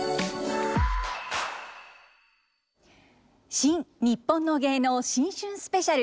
「新・にっぽんの芸能新春スペシャル」